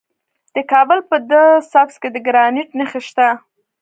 د کابل په ده سبز کې د ګرانیټ نښې شته.